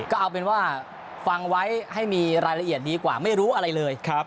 ก็เอาเป็นว่าฟังไว้ให้มีรายละเอียดดีกว่าไม่รู้อะไรเลย